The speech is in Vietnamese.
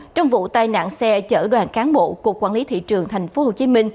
trong vụ tai nạn xe chở đoàn cán bộ cục quản lý thị trường tp hcm